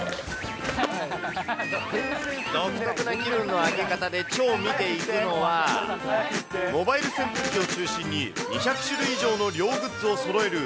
独特な気分の上げ方で超見ていくのは、モバイル扇風機を中心に、２００種類以上の涼グッズをそろえる